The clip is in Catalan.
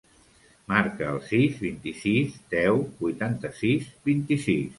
Marca el sis, vint-i-sis, deu, vuitanta-sis, vint-i-sis.